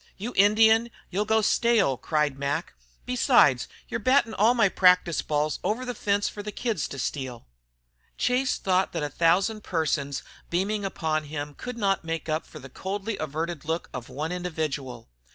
"You Indian, you'll go stale!" Cried Mac. "Besides, you're battin' all my practice balls over the fence for the kids to steal." Chase thought that a thousand persons beaming upon him could not make up for the coldly averted look of one individual.